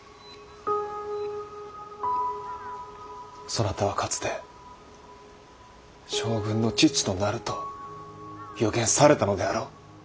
そなたはかつて「将軍の父となる」と予言されたのであろう。